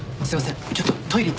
ちょっとトイレ行ってきます。